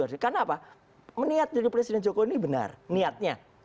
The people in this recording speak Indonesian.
karena apa meniat jadi presiden jokowi ini benar niatnya